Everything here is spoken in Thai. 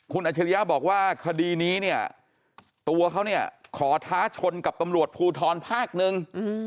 คุณอัชริยะบอกว่าคดีนี้เนี่ยตัวเขาเนี่ยขอท้าชนกับตำรวจภูทรภาคหนึ่ง